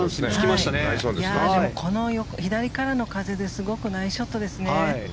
この左からの風ですごくナイスショットですね。